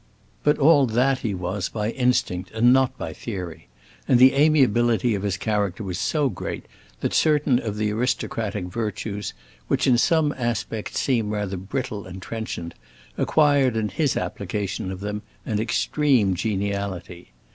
But all that he was he was by instinct and not by theory, and the amiability of his character was so great that certain of the aristocratic virtues, which in some aspects seem rather brittle and trenchant, acquired in his application of them an extreme geniality.